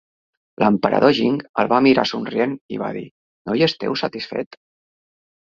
L'emperador Jing el va mirar somrient i va dir: No hi esteu satisfet?